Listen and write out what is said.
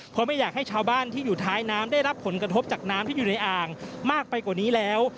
เพราะไม่อยากให้ชาวบ้านที่อยู่ท้ายน้ำได้รับผลกระทบจากน้ำที่อยู่ในอ่างมากไปกว่านี้แล้ว